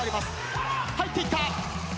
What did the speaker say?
入っていった！